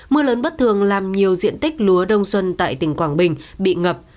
mưa lớn bất thường làm nhiều diện tích lúa đông xuân tại tỉnh quảng bình bị ngập